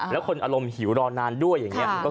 แล้วคนอารมณ์หิวรอนานด้วยอย่างนี้